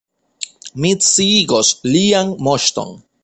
Mi sciigos Lian Moŝton.